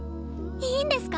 いいんですか？